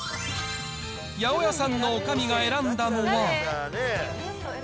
八百屋さんのおかみが選んだのは。